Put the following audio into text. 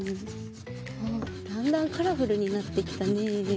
あっだんだんカラフルになってきたね。